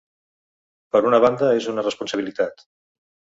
Per una banda és una responsabilitat.